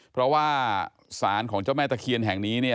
เพราะว่าสารของเจ้าแม่ตะเคียนแห่งนี้เนี่ย